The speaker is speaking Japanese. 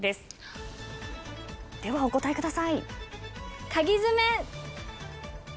ではお答えください。